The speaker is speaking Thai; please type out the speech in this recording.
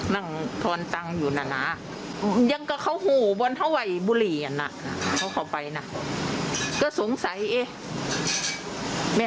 มันมาส่งอย่างเมื่อวานวันนี้ตอนเช้านี้เขาเข้าเลย